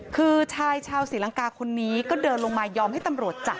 คือชายชาวศรีลังกาคนนี้ก็เดินลงมายอมให้ตำรวจจับ